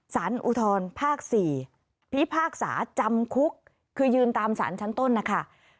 สารอุทธรภาค๔พิพากษาจำคุกคือยืนตามสารชั้นต้นนะคะ